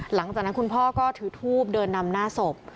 หลังจากนั้นคุณพ่อก็ถือทูบเดินนำหน้าศพ